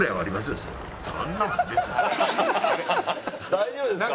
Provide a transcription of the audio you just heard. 大丈夫ですか？